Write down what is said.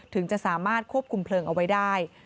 ถึงจะสามารถควบคุมเพลิงเอาไว้ได้